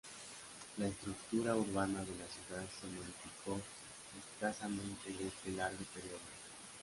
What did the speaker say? La estructura urbana de la ciudad se modificó escasamente en este largo periodo.